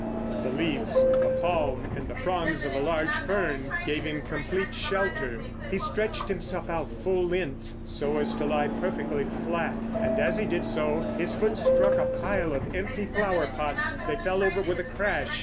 The leaves of a palm and the fronds of a large fern gave him complete shelter. He stretched himself out full length so as to lie perfectly flat, and as he did so his foot struck a pile of empty flower pots. They fell over with a crash.